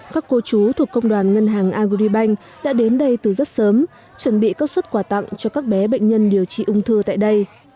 các cô chú thuộc công đoàn ngân hàng agribank đã đến đây từ rất sớm chuẩn bị các suất quà tặng cho các bé bệnh nhân điều trị ung thư tại đây